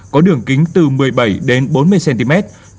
có đường kính từ một mươi bảy đến bốn mươi cm